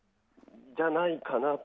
じゃないかなと。